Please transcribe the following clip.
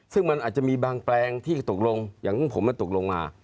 ซึ่งมันอาจจะมีบางแปลงที่ตกลงอย่างผมมันตกลงมา